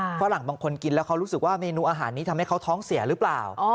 ฝรั่งบางคนกินแล้วเขารู้สึกว่าเมนูอาหารนี้ทำให้เขาท้องเสียหรือเปล่า